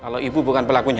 kalau ibu bukan pelakunya